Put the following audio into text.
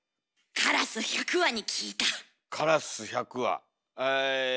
カラス１００羽に聞いた！